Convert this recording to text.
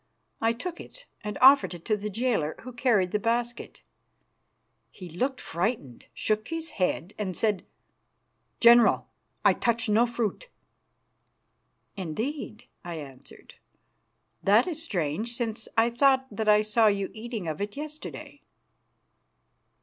I took it and offered it to the jailer who carried the basket. He looked frightened, shook his head, and said, "General, I touch no fruit." "Indeed," I answered. "That is strange, since I thought that I saw you eating of it yesterday."